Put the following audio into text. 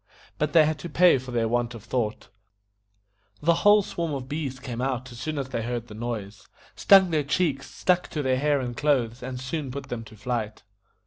But they had to pay for their want of thought; the whole swarm of bees came out as soon as they heard the noise, stung their cheeks, stuck to their hair and clothes, and soon put them to flight.